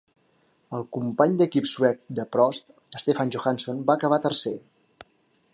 El company d'equip suec de Prost, Stefan Johansson va acabar tercer.